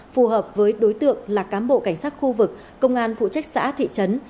phù hợp với đối tượng là cán bộ cảnh sát khu vực công an phụ trách xã thị trấn